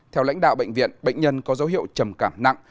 theo lãnh đạo bệnh viện bệnh nhân có dấu hiệu trầm cảm nặng